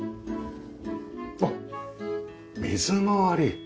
あっ水回り。